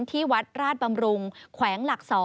ที่วัดราชบำรุงแขวงหลัก๒